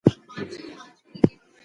ایا ته زما غږ اورې؟